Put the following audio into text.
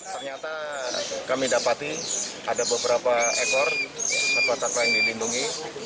ternyata kami dapati ada beberapa ekor satwa satwa yang dilindungi